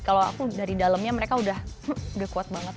kalau aku dari dalamnya mereka udah kuat banget